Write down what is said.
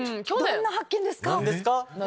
どんな発見ですか？